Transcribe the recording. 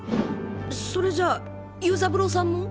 それじゃあ游三郎さんも。